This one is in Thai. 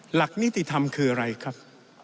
หลักนิติธรรมคืออะไรครับ